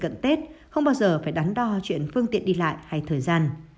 cận tết không bao giờ phải đắn đo chuyện phương tiện đi lại hay thời gian